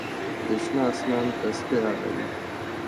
د شنه آسمان تسپې اړوي